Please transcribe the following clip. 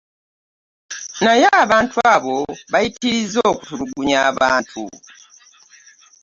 Naye abantu abo bayitirizza okutulugunya abantu